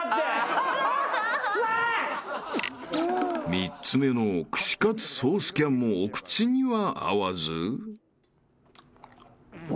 ［３つ目の串カツソースキャンもお口には合わず］